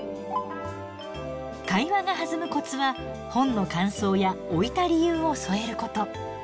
会話が弾むコツは本の感想や置いた理由を添えること。